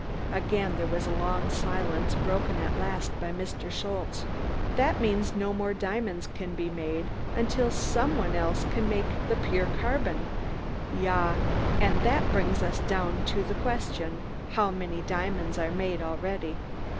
Again there was a long silence, broken at last by Mr. Schultze: "Dat means no more diamonds can be made undil some one else can make der pure carbon, ain'd id? Yah! Und dat brings us down to der question, How many diamonds are made alretty?"